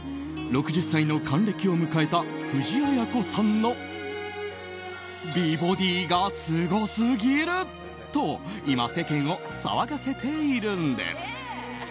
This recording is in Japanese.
６０歳の還暦を迎えた藤あや子さんの美ボディーがすごすぎる！と今、世間を騒がせているんです。